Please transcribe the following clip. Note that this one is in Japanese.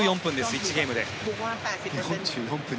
１ゲームで。